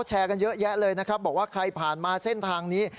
แชร์กันเยอะแยะเลยนะครับบอกว่าใครผ่านมาเส้นทางนี้